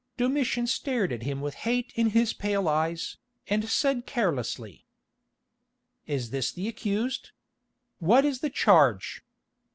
Domitian stared at him with hate in his pale eyes, and said carelessly: "Is this the accused? What is the charge?"